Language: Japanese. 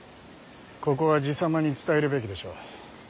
ここは爺様に伝えるべきでしょう。